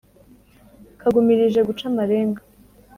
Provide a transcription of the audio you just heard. kagumirije guca amarenga,